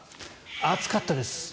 暑かったです。